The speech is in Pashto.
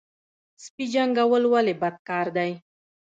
سپي جنګول ولې بد کار دی؟